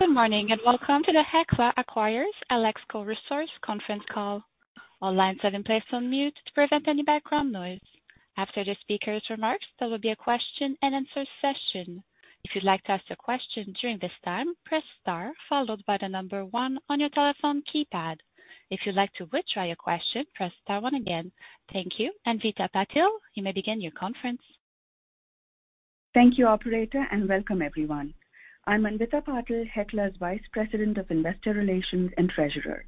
Good morning, and welcome to the Hecla Acquires Alexco Resource conference call. All lines have been placed on mute to prevent any background noise. After the speakers' remarks, there will be a question-and-answer session. If you'd like to ask a question during this time, press star followed by the number one on your telephone keypad. If you'd like to withdraw your question, press star one again. Thank you. Anvita Patil, you may begin your conference. Thank you, operator, and welcome everyone. I'm Anvita Patil, Hecla's Vice President of Investor Relations and Treasurer.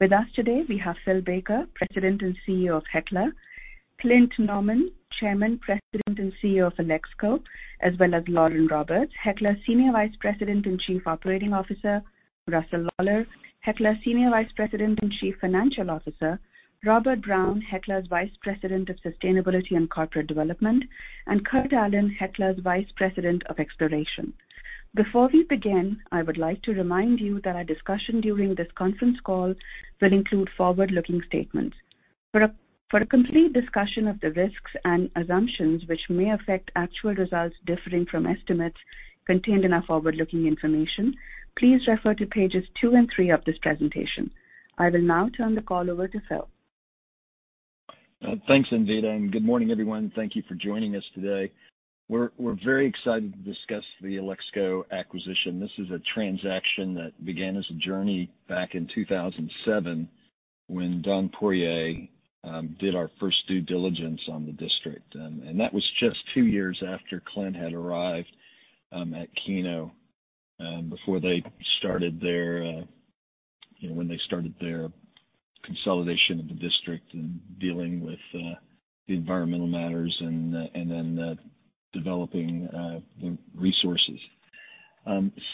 With us today, we have Phil Baker, President and CEO of Hecla, Clynton Nauman, Chairman, President, and CEO of Alexco, as well as Lauren Roberts, Hecla's Senior Vice President and Chief Operating Officer, Russell Lawlar, Hecla's Senior Vice President and Chief Financial Officer, Robert Brown, Hecla's Vice President of Sustainability and Corporate Development, and Kurt Allen, Hecla's Vice President of Exploration. Before we begin, I would like to remind you that our discussion during this conference call will include forward-looking statements. For a complete discussion of the risks and assumptions, which may affect actual results differing from estimates contained in our forward-looking information, please refer to pages two and three of this presentation. I will now turn the call over to Phil. Thanks, Anvita, and good morning, everyone. Thank you for joining us today. We're very excited to discuss the Alexco acquisition. This is a transaction that began as a journey back in 2007 when Don Poirier did our first due diligence on the district. That was just two years after Clynton Nauman had arrived at Keno before they started their consolidation of the district and dealing with the environmental matters and then developing resources.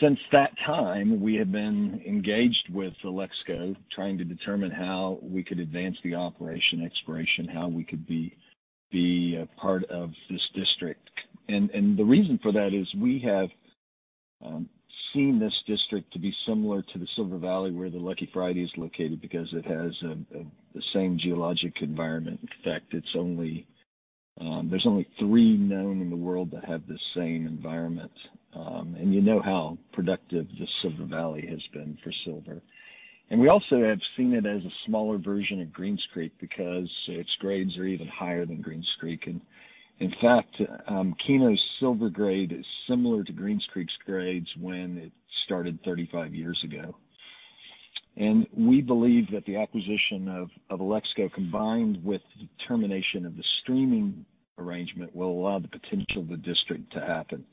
Since that time, we have been engaged with Alexco, trying to determine how we could advance the operation exploration, how we could be part of this district. The reason for that is we have seen this district to be similar to the Silver Valley, where the Lucky Friday is located, because it has the same geologic environment. In fact, there are only three known in the world that have the same environment. You know how productive the Silver Valley has been for silver. We also have seen it as a smaller version of Greens Creek because its grades are even higher than Greens Creek. In fact, Keno's silver grade is similar to Greens Creek's grades when it started 35 years ago. We believe that the acquisition of Alexco, combined with the termination of the streaming arrangement, will allow the potential of the district to happen.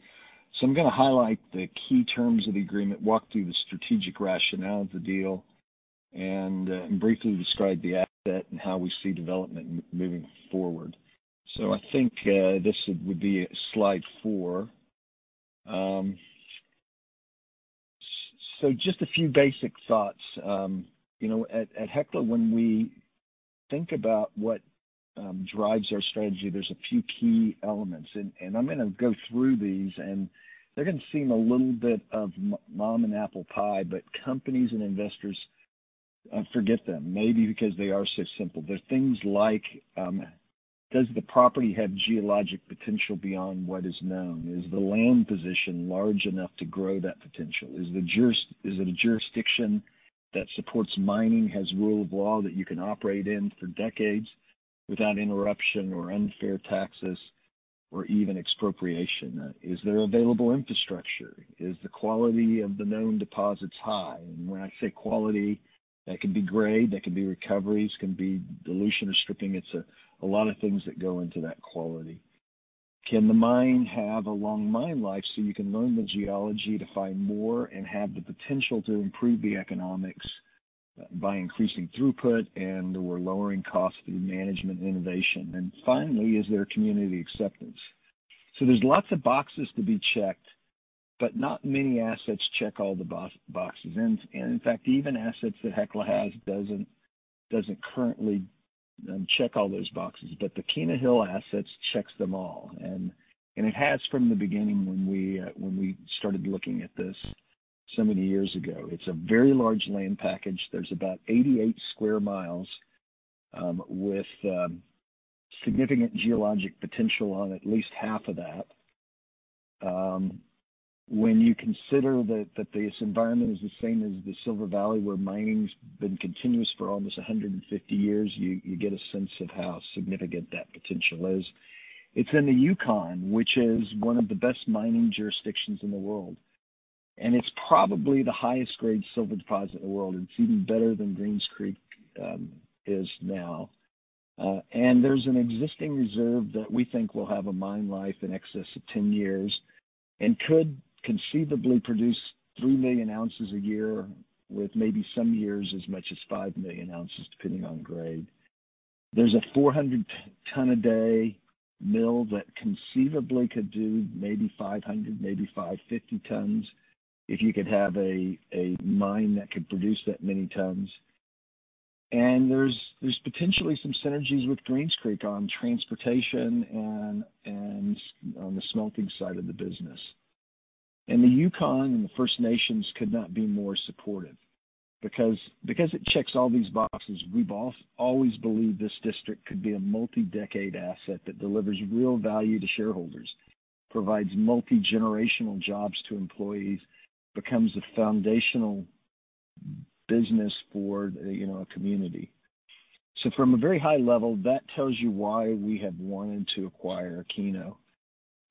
I'm gonna highlight the key terms of the agreement, walk through the strategic rationale of the deal, and briefly describe the asset and how we see development moving forward. I think this would be slide four. Just a few basic thoughts. You know, at Hecla, when we think about what drives our strategy, there's a few key elements, and I'm gonna go through these, and they're gonna seem a little bit of mom and apple pie, but companies and investors forget them, maybe because they are so simple. They're things like, does the property have geologic potential beyond what is known? Is the land position large enough to grow that potential? Is the juris... Is it a jurisdiction that supports mining, has rule of law that you can operate in for decades without interruption or unfair taxes or even expropriation? Is there available infrastructure? Is the quality of the known deposits high? When I say quality, that could be grade, that could be recoveries, it can be dilution or stripping. It's a lot of things that go into that quality. Can the mine have a long mine-life so you can learn the geology to find more, and have the potential to improve the economics by increasing throughput and/or lowering costs through management innovation? Finally, is there community acceptance? There's lots of boxes to be checked, but not many assets check all the boxes. In fact, even assets that Hecla has doesn't currently check all those boxes. The Keno Hill assets checks them all. It has from the beginning when we started looking at this so many years ago. It's a very large land package. There's about 88 sq mi with significant geologic potential on at least half of that. When you consider that this environment is the same as the Silver Valley, where mining's been continuous for almost 150 years, you get a sense of how significant that potential is. It's in the Yukon, which is one of the best mining jurisdictions in the world. It's probably the highest grade silver deposit in the world. It's even better than Greens Creek is now. There's an existing reserve that we think will have a mine life in excess of 10 years and could conceivably produce 3 million oz a year, with maybe some years as much as 5 million oz, depending on grade. There's a 400-ton-a-day mill that conceivably could do maybe 500, maybe 550 tons if you could have a mine that could produce that many tons. There's potentially some synergies with Greens Creek on transportation and on the smelting side of the business. The Yukon and the First Nations could not be more supportive. Because it checks all these boxes. We've always believed this district could be a multi-decade asset that delivers real value to shareholders, provides multi-generational jobs to employees, becomes a foundational business for, you know, a community. From a very high level, that tells you why we have wanted to acquire Keno.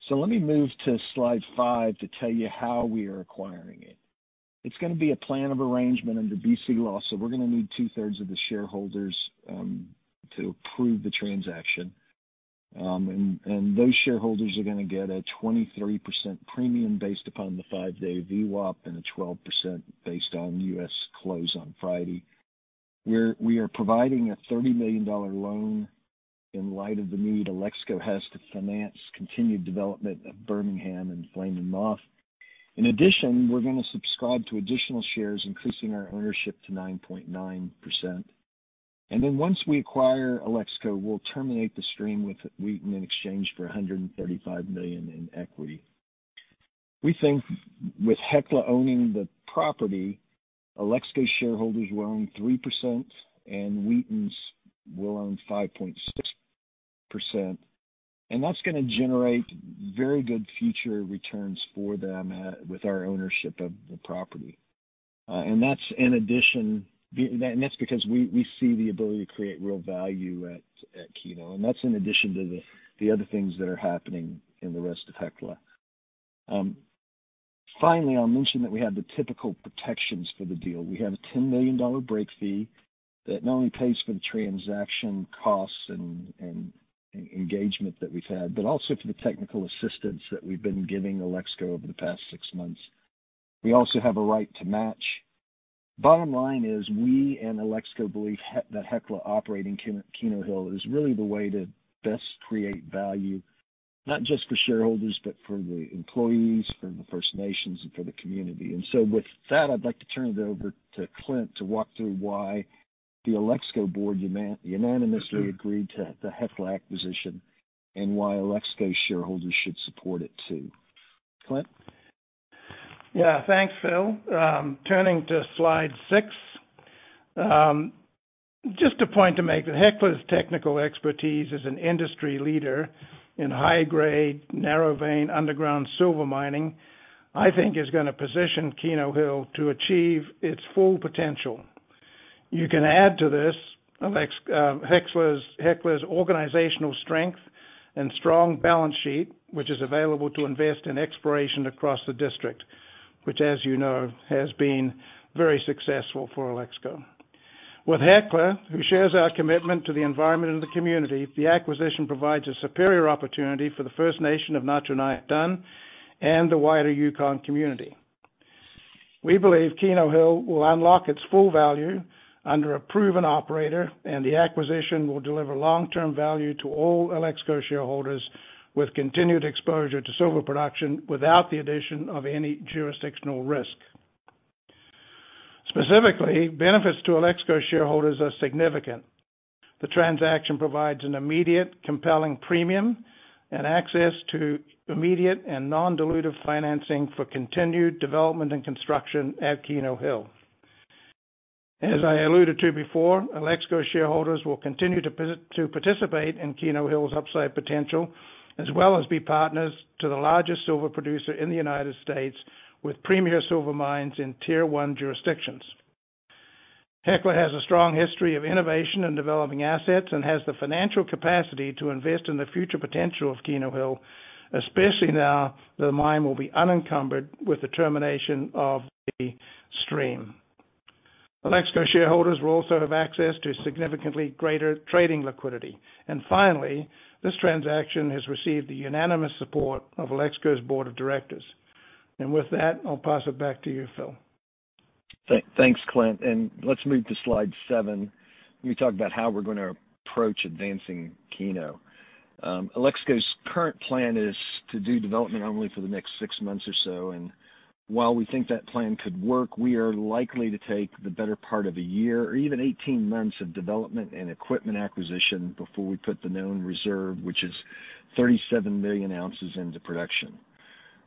Let me move to slide five to tell you how we are acquiring it. It's gonna be a plan of arrangement under BC law, so we're gonna need 2/3s of the shareholders to approve the transaction. And those shareholders are gonna get a 23% premium based upon the five-day VWAP and a 12% based on the U.S. close on Friday. We are providing a $30 million loan in light of the need Alexco has to finance continued development of Bermingham and Flame & Moth. In addition, we're gonna subscribe to additional shares, increasing our ownership to 9.9%. Then once we acquire Alexco, we'll terminate the stream with Wheaton in exchange for $135 million in equity. We think with Hecla owning the property, Alexco shareholders will own 3% and Wheaton's will own 5.6%. That's gonna generate very good future returns for them at with our ownership of the property. That's because we see the ability to create real value at Keno, and that's in addition to the other things that are happening in the rest of Hecla. Finally, I'll mention that we have the typical protections for the deal. We have a $10 million break fee that not only pays for the transaction costs and engagement that we've had, but also for the technical assistance that we've been giving Alexco over the past six months. We also have a right to match. Bottom line is, we and Alexco believe that Hecla operating Keno Hill is really the way to best create value, not just for shareholders, but for the employees, for the First Nations, and for the community. With that, I'd like to turn it over to Clynt to walk through why the Alexco board unanimously agreed to the Hecla acquisition and why Alexco shareholders should support it too. Clynt? Yeah. Thanks, Phil. Turning to slide six. Just a point to make that Hecla's technical expertise as an industry leader in high-grade, narrow-vein underground silver mining, I think is gonna position Keno Hill to achieve its full potential. You can add to this Hecla's organizational strength and strong balance sheet, which is available to invest in exploration across the district, which, as you know, has been very successful for Alexco. With Hecla, who shares our commitment to the environment and the community, the acquisition provides a superior opportunity for the First Nation of Na-Cho Nyak Dun, and the wider Yukon community. We believe Keno Hill will unlock its full value under a proven operator, and the acquisition will deliver long-term value to all Alexco shareholders with continued exposure to silver production without the addition of any jurisdictional risk. Specifically, benefits to Alexco shareholders are significant. The transaction provides an immediate compelling premium and access to immediate and non-dilutive financing for continued development and construction at Keno Hill. As I alluded to before, Alexco shareholders will continue to participate in Keno Hill's upside potential, as well as be partners to the largest silver producer in the United States with premier silver mines in Tier 1 jurisdictions. Hecla has a strong history of innovation in developing assets and has the financial capacity to invest in the future potential of Keno Hill, especially now the mine will be unencumbered with the termination of the stream. Alexco shareholders will also have access to significantly greater trading liquidity. Finally, this transaction has received the unanimous support of Alexco's board of directors. With that, I'll pass it back to you, Phil. Thanks, Clynt, let's move to slide seven, where we talk about how we're gonna approach advancing Keno. Alexco's current plan is to do development only for the next six months or so, and while we think that plan could work, we are likely to take the better part of a year or even 18 months of development and equipment acquisition before we put the known reserve, which is 37 million oz, into production.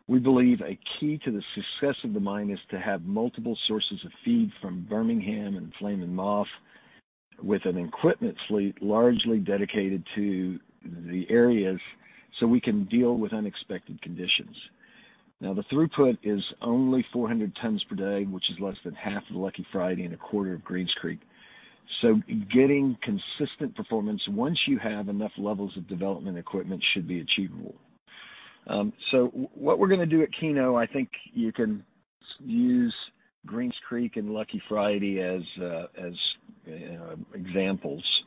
We believe a key to the success of the mine is to have multiple sources of feed from Bermingham and Flame & Moth with an equipment fleet largely dedicated to the areas so we can deal with unexpected conditions. Now, the throughput is only 400 tons per day, which is less than half of Lucky Friday and 1/4 of Greens Creek. Getting consistent performance once you have enough levels of development equipment should be achievable. What we're gonna do at Keno, I think you can use Greens Creek and Lucky Friday as examples.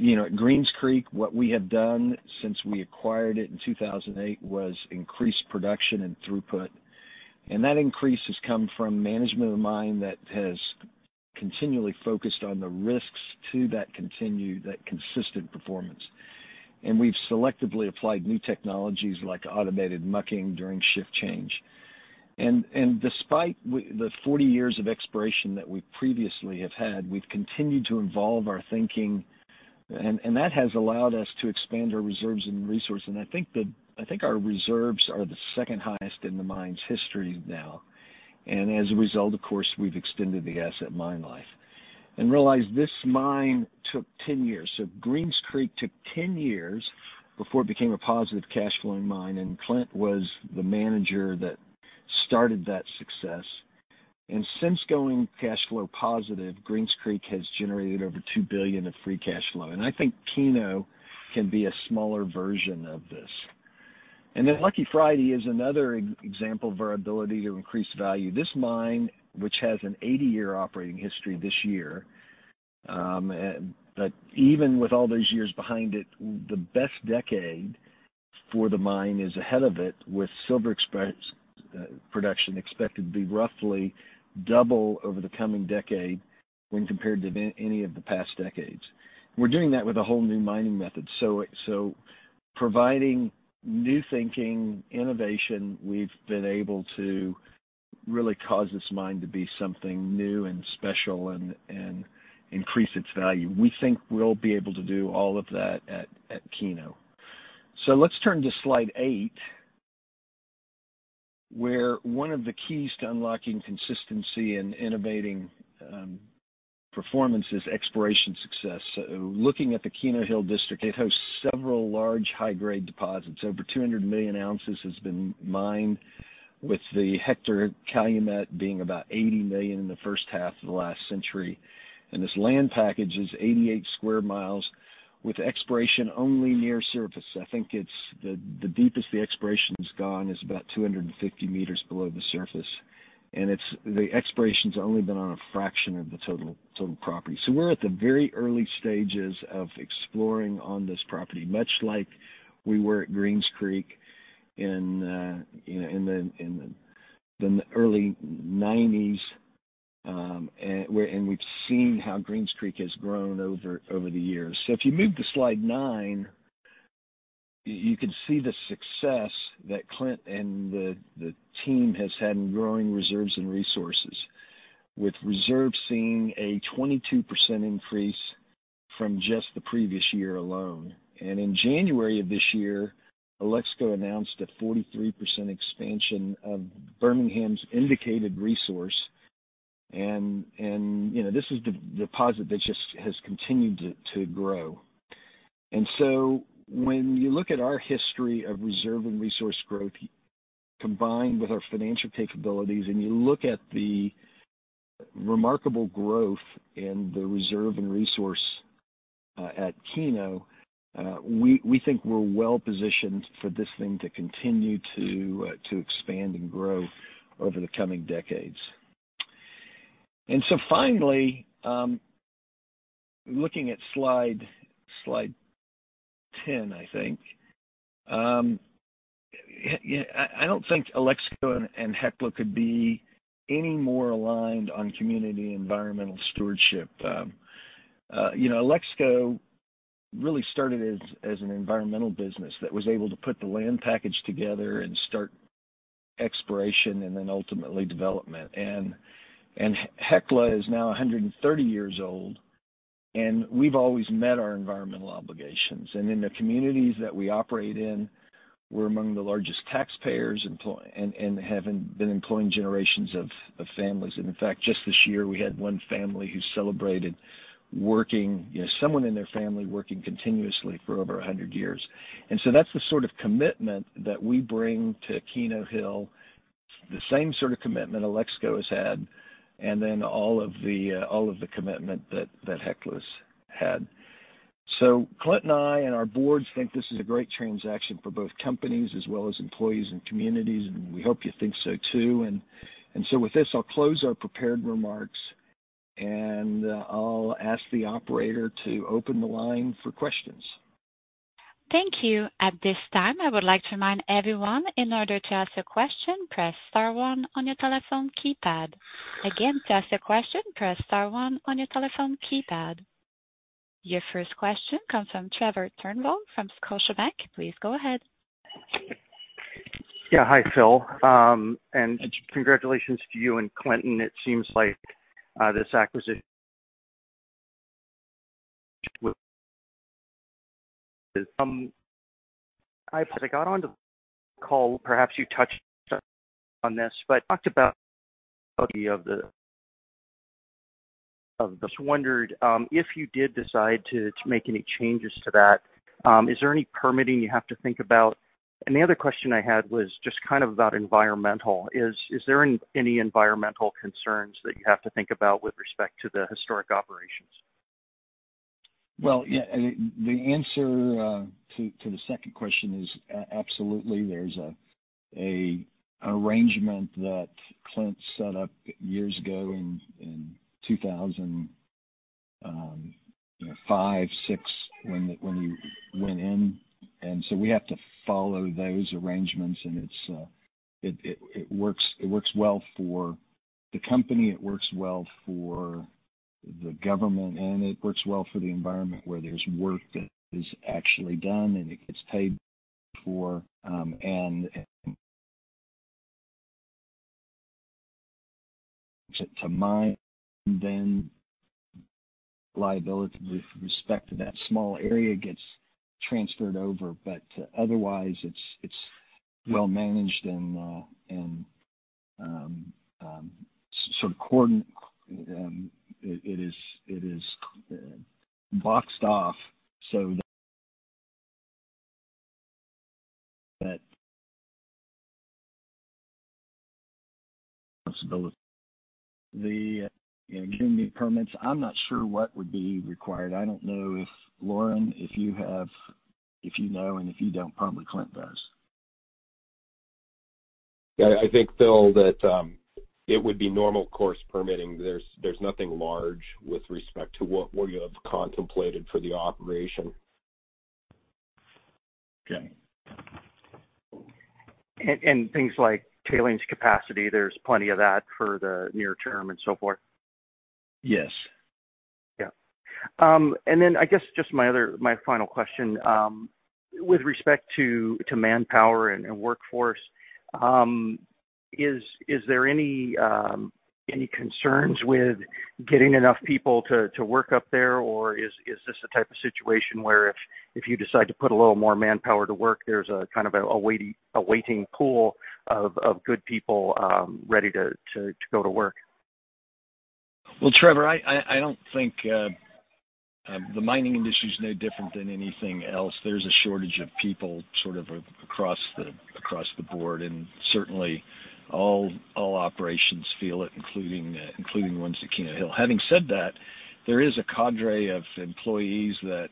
You know, at Greens Creek, what we have done since we acquired it in 2008 was increase production and throughput. That increase has come from management of the mine that has continually focused on the risks to that continued, that consistent performance. We've selectively applied new technologies like automated mucking during shift change. Despite the 40 years of exploration that we previously have had, we've continued to evolve our thinking. That has allowed us to expand our reserves and resource. I think our reserves are the second highest in the mine's history now. As a result, of course, we've extended the asset mine life. Realize this mine took 10 years. Greens Creek took 10 years before it became a positive cash-flowing mine, and Clynt was the manager that started that success. Since going cash flow positive, Greens Creek has generated over $2 billion of free cash flow. I think Keno can be a smaller version of this. Lucky Friday is another example of our ability to increase value. This mine, which has an 80-year operating history this year, but even with all those years behind it, the best decade for the mine is ahead of it, with Silver Express production expected to be roughly double over the coming decade when compared to any of the past decades. We're doing that with a whole new mining method. Providing new thinking, innovation, we've been able to really cause this mine to be something new and special and increase its value. We think we'll be able to do all of that at Keno. Let's turn to slide eight, where one of the keys to unlocking consistency and innovating performance is exploration success. Looking at the Keno Hill District, it hosts several large high-grade deposits. Over 200 million oz has been mined with the Hector-Calumet being about 80 million in the first half of the last century. This land package is 88 sq mi with exploration only near surface. I think it's. The deepest the exploration's gone is about 250 meters below the surface, and it's the exploration's only been on a fraction of the total property. We're at the very early stages of exploring on this property, much like we were at Greens Creek in the early 1990s, where we've seen how Greens Creek has grown over the years. If you move to slide nine, you can see the success that Clynt and the team has had in growing reserves and resources, with reserves seeing a 22% increase from just the previous year alone. You know, this is the deposit that just has continued to grow. In January of this year, Alexco announced a 43% expansion of Bermingham's Indicated Resource. When you look at our history of reserve and resource growth, combined with our financial capabilities, and you look at the remarkable growth in the reserve and resource at Keno, we think we're well positioned for this thing to continue to expand and grow over the coming decades. Finally, looking at slide ten, I think, yeah, I don't think Alexco and Hecla could be any more aligned on community environmental stewardship. You know, Alexco really started as an environmental business that was able to put the land package together and start exploration and then ultimately development. Hecla is now 130 years old, and we've always met our environmental obligations. In the communities that we operate in, we're among the largest taxpayers employ and have been employing generations of families. In fact, just this year, we had one family who celebrated working, you know, someone in their family working continuously for over a hundred years. That's the sort of commitment that we bring to Keno Hill, the same sort of commitment Alexco has had and then all of the commitment that Hecla's had. Clynton and I and our boards think this is a great transaction for both companies as well as employees and communities, and we hope you think so too. With this, I'll close our prepared remarks, and I'll ask the operator to open the line for questions. Thank you. At this time, I would like to remind everyone, in order to ask a question, press star one on your telephone keypad. Again, to ask a question, press star one on your telephone keypad. Your first question comes from Trevor Turnbull from Scotiabank. Please go ahead. Yeah. Hi, Phil. Congratulations to you and Clynton. It seems like this acquisition, as I got on the call, perhaps you touched on this, but I just wondered if you did decide to make any changes to that. Is there any permitting you have to think about? The other question I had was just kind of about environmental. Is there any environmental concerns that you have to think about with respect to the historic operations? Well, yeah. The answer to the second question is absolutely. There's an arrangement that Clynton set up years ago in 2005, 2006 when we went in. We have to follow those arrangements, and it works well for the company, it works well for the government, and it works well for the environment, where there's work that is actually done, and it gets paid for. End of mine, then liability with respect to that small area gets transferred over. Otherwise, it's well managed and it is boxed off so that responsibility. You know, giving me permits. I'm not sure what would be required. I don't know if, Lauren, you have... If you know, and if you don't, probably Clynton does. Yeah. I think, Phil, that it would be normal-course permitting. There's nothing large with respect to what you have contemplated for the operation. Okay. Things like tailings capacity, there's plenty of that for the near term and so forth. Yes. I guess just my other, my final question, with respect to manpower and workforce, is there any concerns with getting enough people to work up there? Or is this the type of situation where if you decide to put a little more manpower to work, there's a kind of a waiting pool of good people ready to go to work? Well, Trevor, I don't think the mining industry is no different than anything else. There's a shortage of people sort of across the board, and certainly all operations feel it, including the ones at Keno Hill. Having said that, there is a cadre of employees that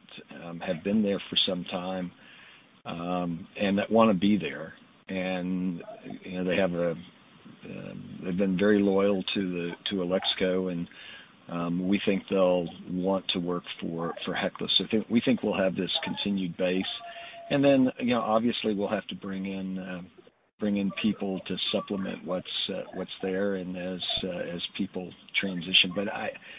have been there for some time, and that wanna be there. You know, they've been very loyal to Alexco, and we think they'll want to work for Hecla. We think we'll have this continued base. You know, obviously we'll have to bring in people to supplement what's there and as people transition.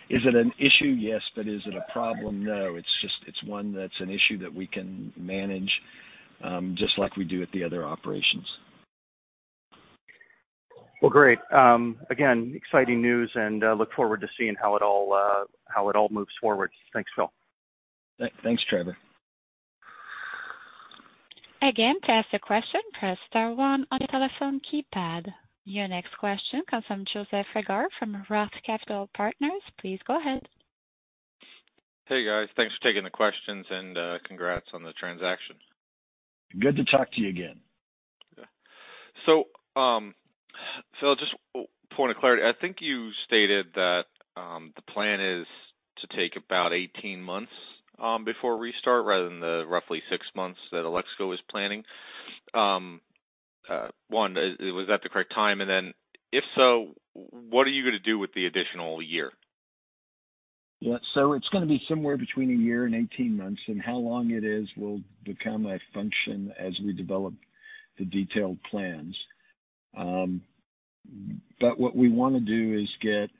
Is it an issue? Yes. Is it a problem? No. It's just, it's one that's an issue that we can manage, just like we do at the other operations. Well, great. Again, exciting news, and look forward to seeing how it all moves forward. Thanks, Phil. Thanks, Trevor. Again, to ask a question, press star one on your telephone keypad. Your next question comes from Joseph Reagor from ROTH Capital Partners. Please go ahead. Hey, guys. Thanks for taking the questions, and congrats on the transaction. Good to talk to you again. Just point of clarity. I think you stated that the plan is to take about 18 months before restart rather than the roughly six months that Alexco was planning. One, is that the correct time? If so, what are you gonna do with the additional year? Yeah. It's gonna be somewhere between a year and 18 months, and how long it is will become a function as we develop the detailed plans. What we wanna do is get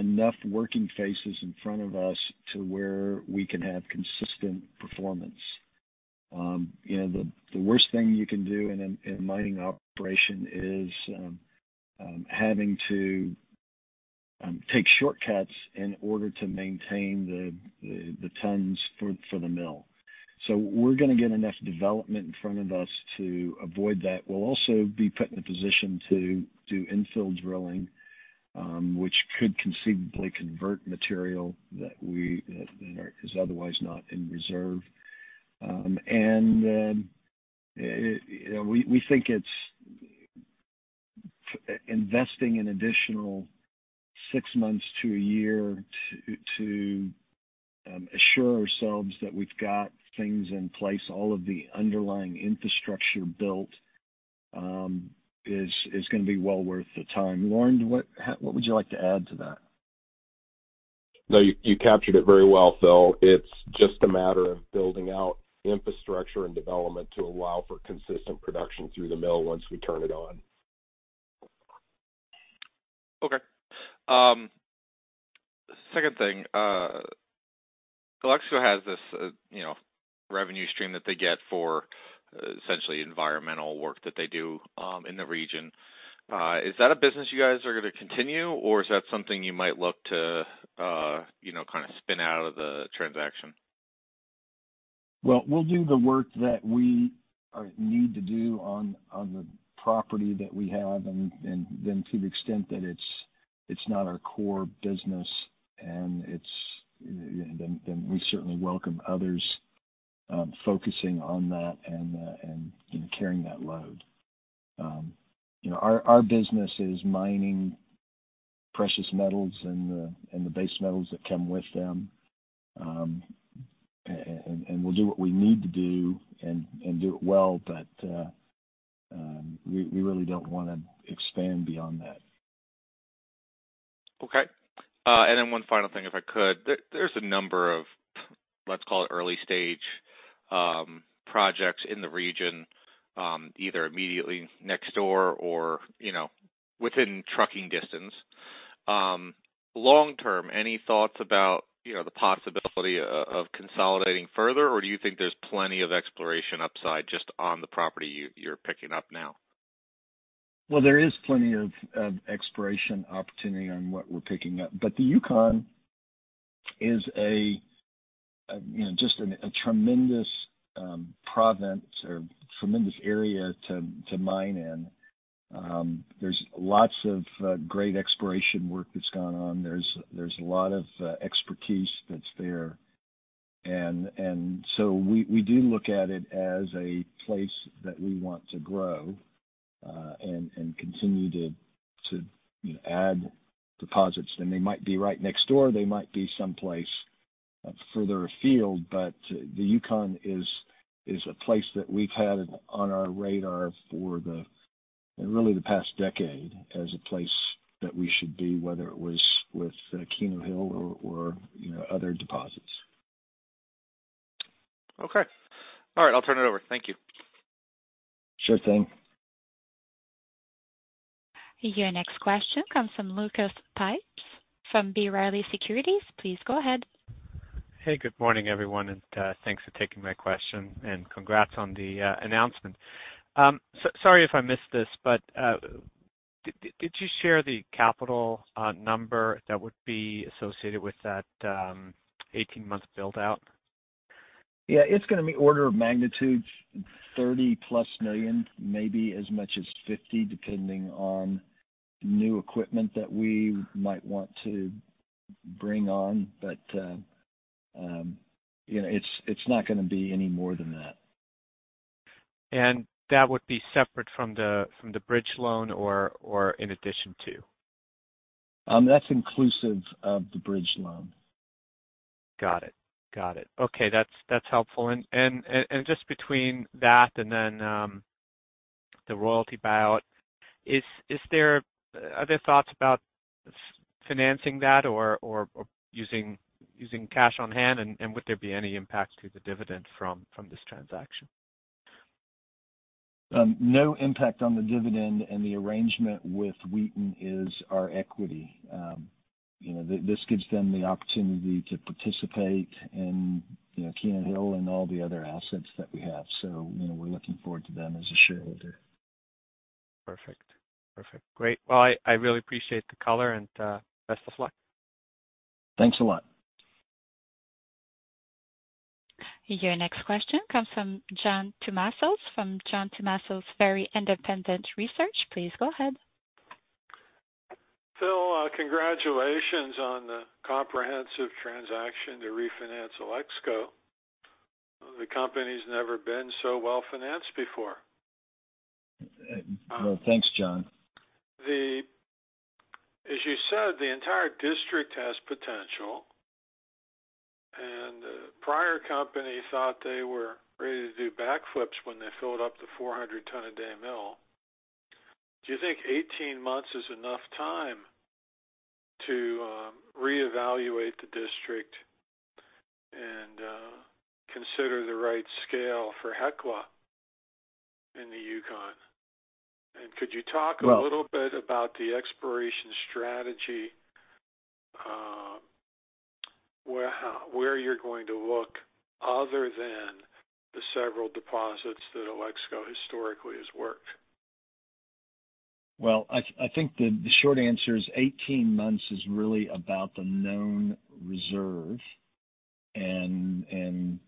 enough working faces in front of us to where we can have consistent performance. You know, the worst thing you can do in a mining operation is having to take shortcuts in order to maintain the tons for the mill. We're gonna get enough development in front of us to avoid that. We'll also be put in a position to do infill drilling, which could conceivably convert material that is otherwise not in reserve. You know, we think it's investing an additional six months to a year to assure ourselves that we've got things in place, all of the underlying infrastructure built, is gonna be well worth the time. Lauren, what would you like to add to that? No, you captured it very well, Phil. It's just a matter of building out infrastructure and development to allow for consistent production through the mill once we turn it on. Okay. Second thing. Alexco has this, you know, revenue stream that they get for essentially environmental work that they do, in the region. Is that a business you guys are gonna continue, or is that something you might look to, you know, kind of spin out of the transaction? Well, we'll do the work that we need to do on the property that we have, and then to the extent that it's not our core business, we certainly welcome others focusing on that and, you know, carrying that load. You know, our business is mining precious metals and the base metals that come with them. We'll do what we need to do and do it well, but we really don't wanna expand beyond that. Okay. One final thing, if I could. There's a number of, let's call it, early-stage projects in the region, either immediately next door or, you know, within trucking distance. Long term, any thoughts about, you know, the possibility of consolidating further or do you think there's plenty of exploration upside just on the property you're picking up now? Well, there is plenty of exploration opportunity on what we're picking up. The Yukon is a you know, just a tremendous province or tremendous area to mine in. There's lots of great exploration work that's gone on. There's a lot of expertise that's there. So we do look at it as a place that we want to grow and continue to add deposits. They might be right next door, they might be someplace further afield, but the Yukon is a place that we've had on our radar for really the past decade as a place that we should be, whether it was with Keno Hill or you know, other deposits. Okay. All right. I'll turn it over. Thank you. Sure thing. Your next question comes from Lucas Pipes from B. Riley Securities. Please go ahead. Hey, good morning, everyone, and thanks for taking my question, and congrats on the announcement. Sorry if I missed this, but did you share the capital number that would be associated with that 18-month build-out? Yeah. It's gonna be order of magnitude $30+ million, maybe as much as $50 million, depending on new equipment that we might want to bring on. You know, it's not gonna be any more than that. That would be separate from the bridge loan or in addition to? That's inclusive of the bridge loan. Got it. Okay, that's helpful. Just between that and then, the royalty buyout, are there thoughts about financing that or using cash on hand, and would there be any impact to the dividend from this transaction? No impact on the dividend, and the arrangement with Wheaton is our equity. You know, this gives them the opportunity to participate in, you know, Keno Hill and all the other assets that we have. You know, we're looking forward to them as a shareholder. Perfect. Great. Well, I really appreciate the color, and best of luck. Thanks a lot. Your next question comes from John Tumazos from John Tumazos Very Independent Research. Please go ahead. Phil, congratulations on the comprehensive transaction to refinance Alexco. The company's never been so well-financed before. Well, thanks, John. As you said, the entire district has potential, and the prior company thought they were ready to do backflips when they filled up the 400-ton-a-day mill. Do you think 18 months is enough time to reevaluate the district and consider the right scale for Hecla in the Yukon? Could you talk- Well- A little bit about the exploration strategy, where, how, where you're going to look other than the several deposits that Alexco historically has worked? Well, I think the short answer is 18 months is really about the known reserve and,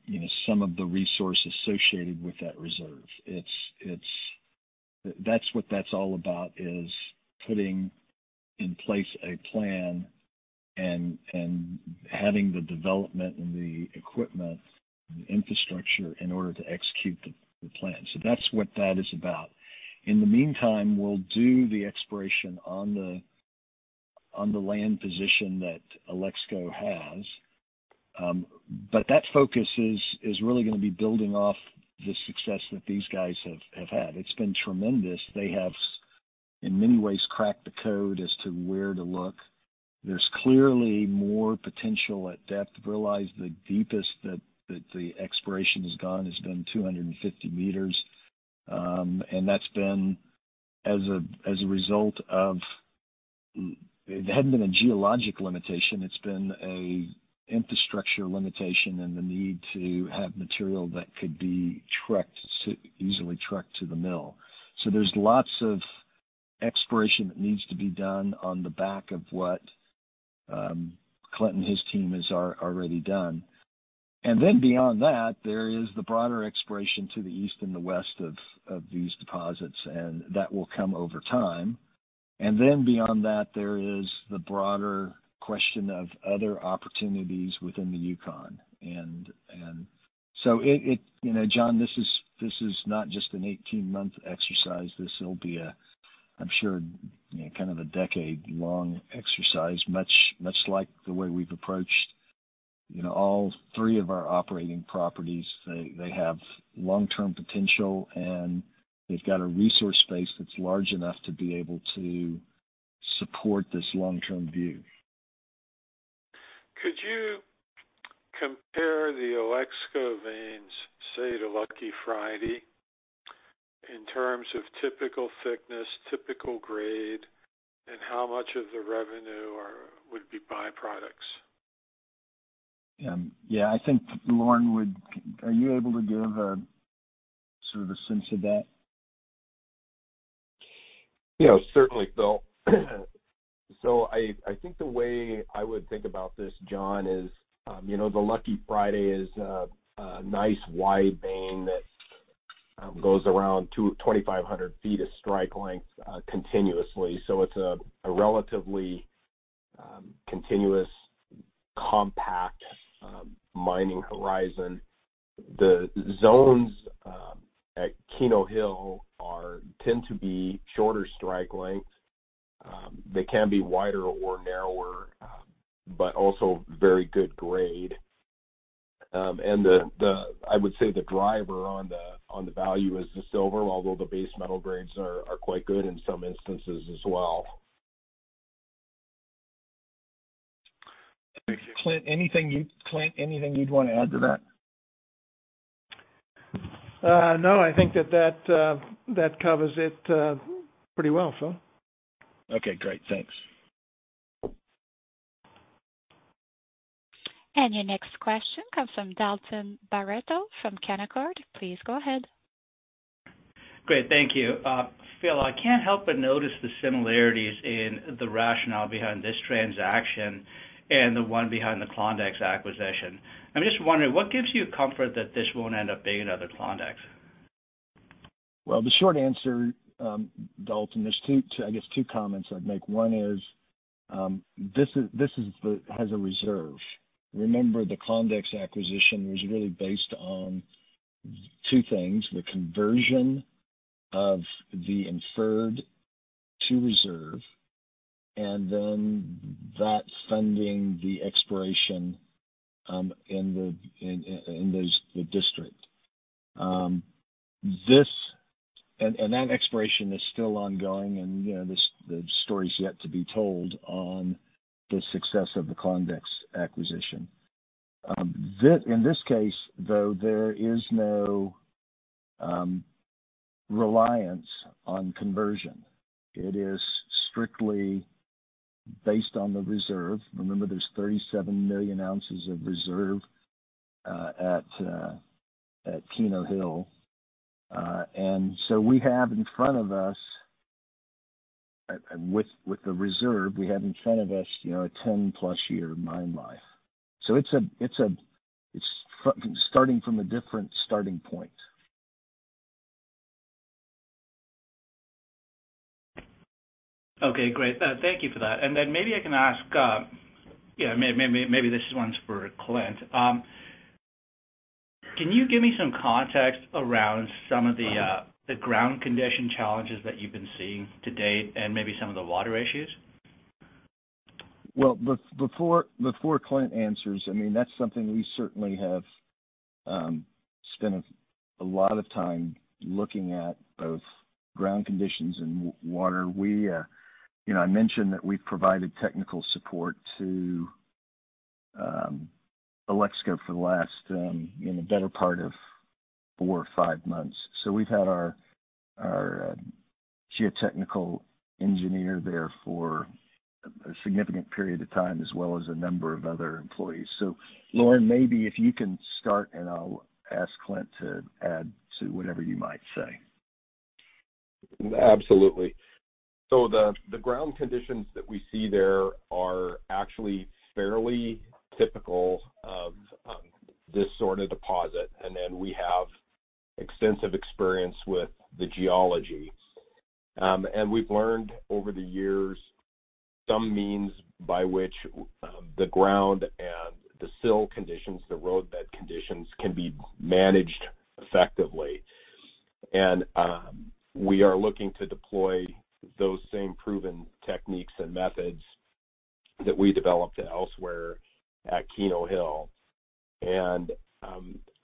you know, some of the resource associated with that reserve. That's what that's all about, is putting in place a plan and having the development and the equipment and the infrastructure in order to execute the plan. That's what that is about. In the meantime, we'll do the exploration on the land position that Alexco has. That focus is really gonna be building off the success that these guys have had. It's been tremendous. They have in many ways, cracked the code as to where to look. There's clearly more potential at depth. Realize that the deepest that the exploration has gone has been 250 meters, and that's been as a result of. It hadn't been a geologic limitation, it's been an infrastructure limitation and the need to have material that could be trucked to, easily trucked to the mill. So there's lots of exploration that needs to be done on the back of what, Clynton and his team has already done. Then beyond that, there is the broader exploration to the east and the west of these deposits, and that will come over time. Then beyond that, there is the broader question of other opportunities within the Yukon. So it. You know, John, this is not just an 18-month exercise. This will be a, I'm sure, you know, kind of a decade-long exercise, much like the way we've approached, you know, all three of our operating properties. They have long-term potential, and they've got a resource base that's large enough to be able to support this long-term view. Could you compare veins, say, to Lucky Friday, in terms of typical thickness, typical grade, and how much of the revenue would be byproducts? Yeah, are you able to give a sort of a sense of that? You know, certainly, Phil. I think the way I would think about this, John, is, you know, the Lucky Friday is a nice wide vein that goes around 2,500 ft of strike length, continuously. It's a relatively continuous compact mining horizon. The zones at Keno Hill tend to be shorter strike lengths. They can be wider or narrower, but also very good grade. I would say the driver on the value is the silver, although the base metal grades are quite good in some instances as well. Clynt, anything you'd wanna add to that? No, I think that covers it pretty well, Phil. Okay, great. Thanks. Your next question comes from Dalton Baretto from Canaccord. Please go ahead. Great. Thank you. Phil, I can't help but notice the similarities in the rationale behind this transaction and the one behind the Klondex acquisition. I'm just wondering, what gives you comfort that this won't end up being another Klondex? Well, the short answer, Dalton, there's two comments I'd make. One is, this has a reserve. Remember, the Klondex acquisition was really based on two things, the conversion of the inferred to reserve, and then that funding the exploration in the district. That exploration is still ongoing, and, you know, the story is yet to be told on the success of the Klondex acquisition. In this case, though, there is no reliance on conversion. It is strictly based on the reserve. Remember, there's 37 million oz of reserve at Keno Hill. We have in front of us, with the reserve, you know, a 10+ year mine life. It's starting from a different starting point. Okay, great. Thank you for that. Maybe I can ask, you know, maybe this one's for Clynton. Can you give me some context around some of the ground condition challenges that you've been seeing to date and maybe some of the water issues? Well, before Clynt answers, I mean, that's something we certainly have spent a lot of time looking at, both ground conditions and water. We. You know, I mentioned that we've provided technical support to Alexco for the last, you know, better part of four or five months. We've had our geotechnical engineer there for a significant period of time, as well as a number of other employees. Lauren, maybe if you can start, and I'll ask Clynt to add to whatever you might say. Absolutely. The ground conditions that we see there are actually fairly typical of this sort of deposit. We have extensive experience with the geology. We've learned over the years some means by which the ground and the sill conditions, the road bed conditions, can be managed effectively. We are looking to deploy those same proven techniques and methods that we developed elsewhere at Keno Hill.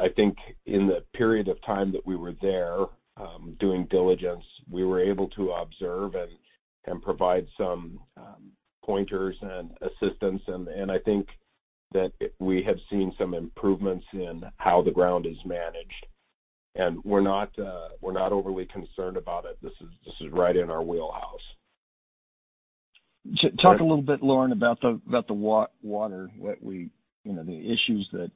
I think in the period of time that we were there doing due diligence, we were able to observe and provide some pointers and assistance. I think that we have seen some improvements in how the ground is managed. We're not overly concerned about it. This is right in our wheelhouse. Talk a little bit, Lauren, about the water. You know, the issues that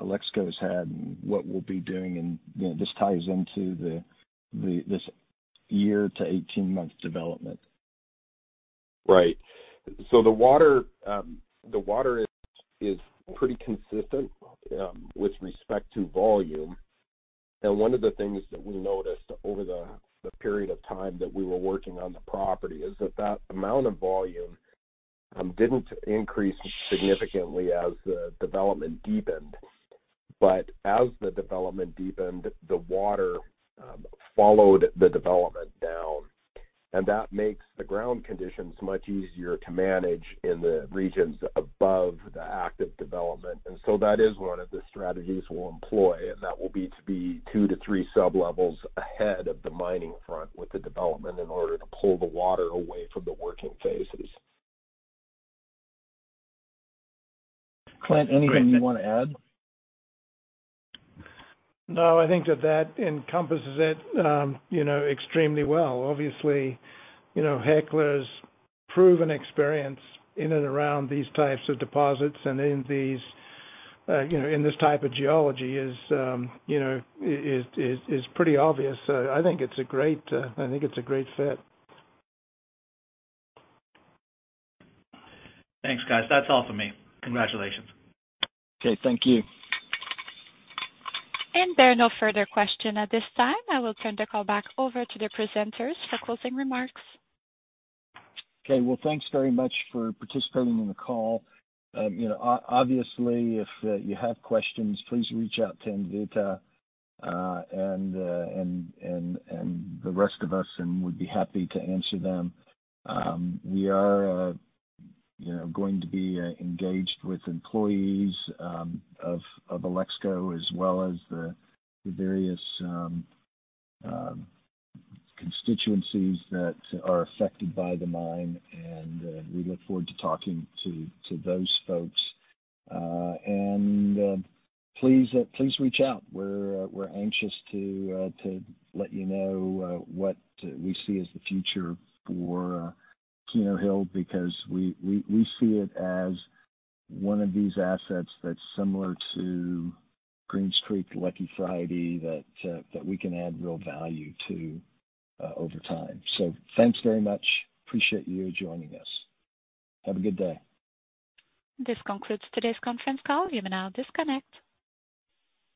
Alexco's had and what we'll be doing and, you know, this ties into the this year to 18 months development. Right. The water is pretty consistent with respect to volume. One of the things that we noticed over the period of time that we were working on the property is that amount of volume didn't increase significantly as the development deepened. As the development deepened, the water followed the development down, and that makes the ground conditions much easier to manage in the regions above the active development. That is one of the strategies we'll employ, and that will be to be two to three sub-levels ahead of the mining front with the development in order to pull the water away from the working phases. Clynton, anything you wanna add? No, I think that encompasses it, you know, extremely well. Obviously, you know, Hecla's proven experience in and around these types of deposits and in these, you know, in this type of geology is, you know, pretty obvious. I think it's a great fit. Thanks, guys. That's all for me. Congratulations. Okay, thank you. There are no further questions at this time. I will turn the call back over to the presenters for closing remarks. Okay. Well, thanks very much for participating in the call. You know, obviously, if you have questions, please reach out to Anvita Patil and the rest of us, and we'd be happy to answer them. We are, you know, going to be engaged with employees of Alexco as well as the various constituencies that are affected by the mine, and we look forward to talking to those folks. Please reach out. We're anxious to let you know what we see as the future for Keno Hill, because we see it as one of these assets that's similar to Greens Creek, Lucky Friday, that we can add real value to over time. Thanks very much. Appreciate you joining us. Have a good day. This concludes today's conference call. You may now disconnect.